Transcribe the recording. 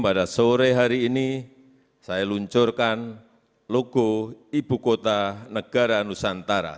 pada sore hari ini saya luncurkan logo ibu kota negara nusantara